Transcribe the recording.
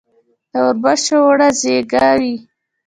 د اوربشو اوړه زیږه وي.